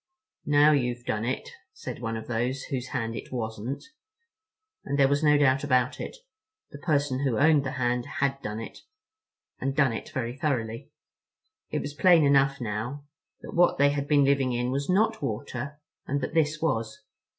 "Now you've done it," said one of those whose hand it wasn't. And there was no doubt about it; the person who owned the hand had done it—and done it very thoroughly. It was plain enough now that what they had been living in was not water, and that this was.